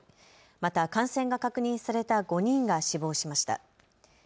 また感染が確認された５人が死亡しました。